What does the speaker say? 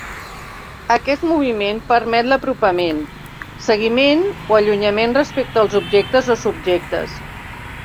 Aquest moviment permet l'apropament, seguiment o allunyament respecte als objectes o subjectes.